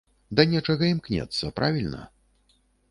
Да нечага імкнецца, правільна?